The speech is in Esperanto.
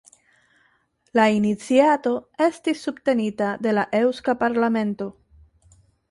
La iniciato estis subtenita de la Eŭska Parlamento.